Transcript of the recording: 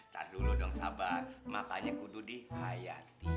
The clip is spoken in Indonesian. taduh lu dong sabar makannya kududih hayati